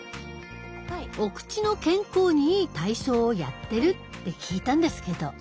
お口の健康にいい体操をやってるって聞いたんですけど。